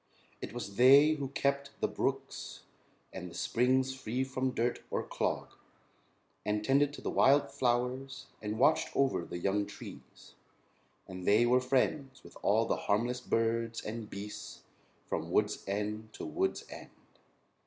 It was they who kept the brooks and the springs free from dirt or clog, and tended the wild flowers and watched over the young trees. And they were friends with all the harmless birds and beasts from wood's end to wood's end.